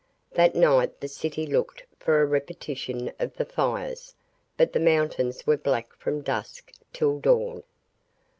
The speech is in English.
That night the city looked for a repetition of the fires, but the mountains were black from dusk till dawn.